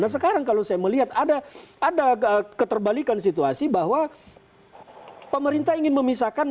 nah sekarang kalau saya melihat ada keterbalikan situasi bahwa pemerintah ingin memisahkan